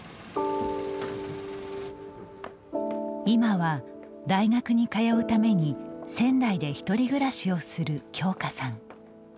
今は、大学に通うために仙台で１人暮らしをする京佳さん。